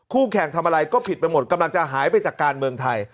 คู่แข่งทำอะไรก็ผิดไปหมดกำลังจะหายไปจากการเมืองไทย